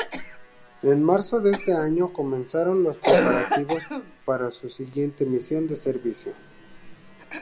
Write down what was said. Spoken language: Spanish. En marzo de ese año comenzaron los preparativos para su siguiente misión de servicio.